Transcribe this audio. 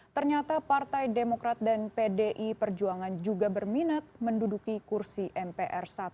ternyata partai demokrat dan pdi perjuangan juga berminat menduduki kursi mpr satu